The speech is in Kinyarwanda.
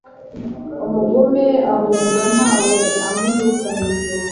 Umugome ahunga nta we umwirukanye